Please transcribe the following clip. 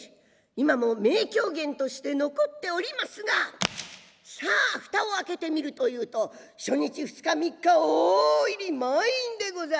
今も名狂言として残っておりますがさあ蓋を開けてみるというと初日２日３日大入り満員でございます。